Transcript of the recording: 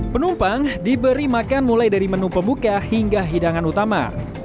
penumpang diberi makan mulai dari menu pembuka hingga hidangan utama